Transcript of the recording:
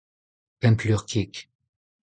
Pemp lur gig.